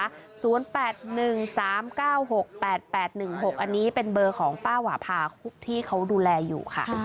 ๐๘๑๓๙๖๘๘๑๖อันนี้เป็นเบอร์ของป้าหวาภาที่เขาดูแลอยู่ค่ะ